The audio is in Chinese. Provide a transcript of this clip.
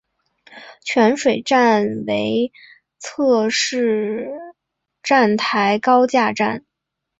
泉水站为侧式站台高架站。